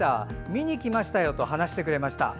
見に来ましたよと話してくれました。